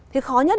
thì khó nhất